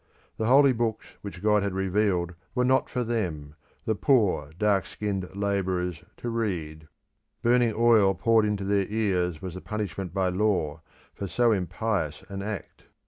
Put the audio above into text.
The holy books which God had revealed were not for them, the poor dark skinned labourers, to read; burning oil poured into their ears was the punishment by law for so impious an act.